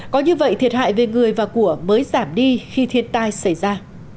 có như vậy thiệt hại về người và của mới giảm đi khi thiên tai xảy ra